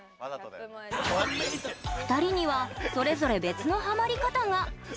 ２人にはそれぞれ別のハマり方が。